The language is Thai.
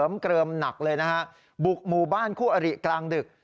เกลิมหนักเลยนะฮะบุกหมู่บ้านคู่อริกลางดึก